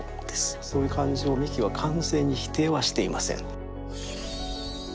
そういう感情を三木は完全に否定はしていません。